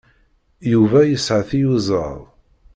Yuba yesɛa tiyuzaḍ.